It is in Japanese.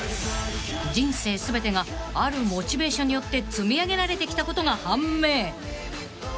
［人生全てがあるモチベーションによって積み上げられてきたことが判明］